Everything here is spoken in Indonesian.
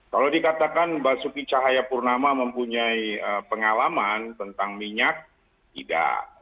kalau dikatakan basuki cahayapurnama mempunyai pengalaman tentang minyak tidak